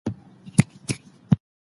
څیړونکي په پرله پسې ډول منظمي تجزیې کوي.